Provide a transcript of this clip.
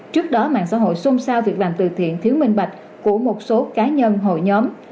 trước đó mạng xã hội xôn xao việc làm từ thiện thiếu minh bạch của một số cá nhân hội nhóm